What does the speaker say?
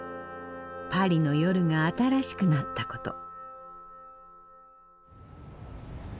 パリの夜が新しくなったこと。